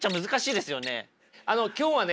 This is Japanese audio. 今日はね